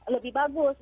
lebih bagus gitu